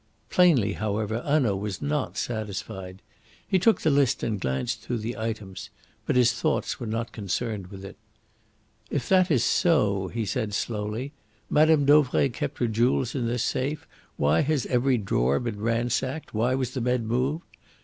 Plainly, however, Hanaud was not satisfied. He took the list and glanced through the items. But his thoughts were not concerned with it. "If that is so," he said slowly, "Mme. Dauvray kept her jewels in this safe, why has every drawer been ransacked, why was the bed moved?